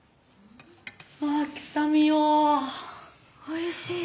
おいしい。